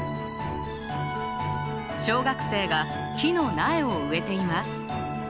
小学生が木の苗を植えています。